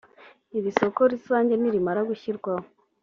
Iri soko rusange nirimara gushyirwaho